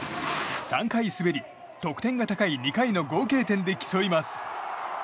３回滑り、得点が高い２回の合計点で競います。